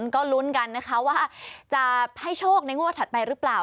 ก็ลุ้นกันนะคะว่าจะให้โชคในงวดถัดไปหรือเปล่า